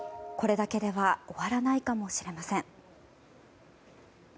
これだけでは終わらないかもしれません。